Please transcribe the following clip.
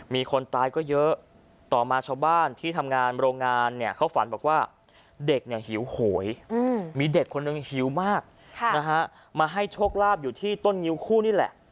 มีคนตายก็เยอะต่อมาชาวบ้านที่ทำงานโรงงานเนี่ยเขาฝันบอกว่าเด็กเนี่ยหิวโหยมีเด็กคนหนึ่งหิวมากมาให้โชคลาภอยู่ที่ต้นงิ้วคู่นี่แหละ